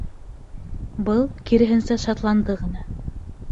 Был, киреһенсә, шатланды ғына.